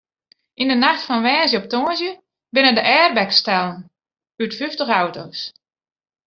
Yn de nacht fan woansdei op tongersdei binne de airbags stellen út fyftich auto's.